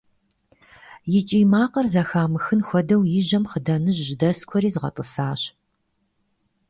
И кӀий макъыр зэхамыхын хуэдэу и жьэм хъыданыжь жьэдэскуэри згъэтӀысащ.